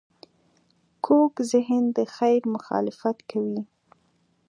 کوږ ذهن د خیر مخالفت کوي